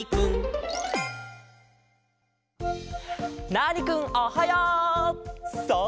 ナーニくんおはよう！さあ